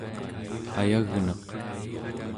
ayagneq